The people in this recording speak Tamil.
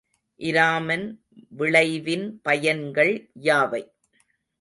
இராமன் விளைவின் பயன்கள் யாவை?